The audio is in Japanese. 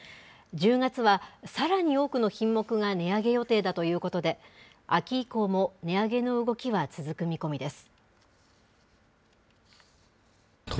１０月は、さらに多くの品目が値上げ予定だということで、秋以降も値上げの動きは続く見込みです。